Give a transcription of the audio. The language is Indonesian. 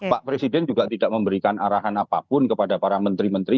pak presiden juga tidak memberikan arahan apapun kepada para menteri menteri